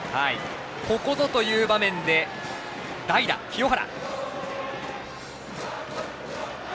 ここぞという場面で代打、清原。